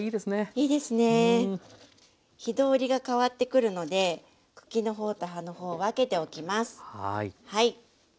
火通りが変わってくるので茎の方と葉の方分けておきます。